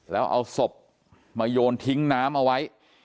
แล้วเอาศพมาโยนทิ้งน้ำเอาไว้